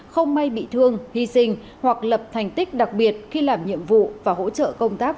không may bị thương hy sinh hoặc lập thành tích đặc biệt khi làm nhiệm vụ và hỗ trợ công tác